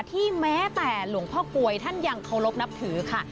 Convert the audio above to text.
แม้แต่หลวงพ่อกลวยท่านยังเคารพนับถือค่ะ